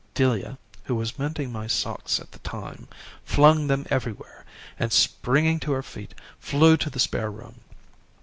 Delia, who was mending my socks at the time, flung them anywhere, and springing to her feet, flew to the spare room.